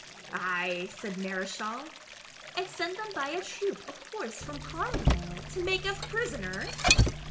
"Ay," said Mareschal, "and send them by a troop of horse from Carlisle to make us prisoners?